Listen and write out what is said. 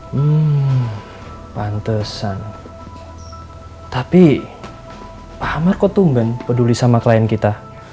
hai pantesan hai tapi hamar koto menghandulkan peduli sama klien kita